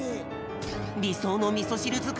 りそうのみそしるづくり